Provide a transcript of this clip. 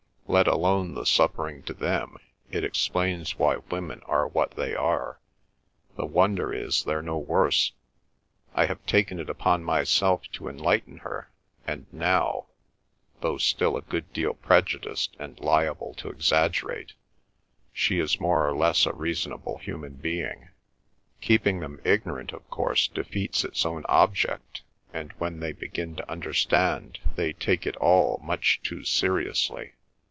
Let alone the suffering to them, it explains why women are what they are—the wonder is they're no worse. I have taken it upon myself to enlighten her, and now, though still a good deal prejudiced and liable to exaggerate, she is more or less a reasonable human being. Keeping them ignorant, of course, defeats its own object, and when they begin to understand they take it all much too seriously.